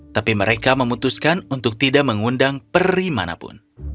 tapi mereka memutuskan untuk tidak mengundang peri manapun